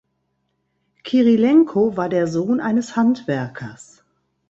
Kirilenko war der Sohn eines Handwerkers.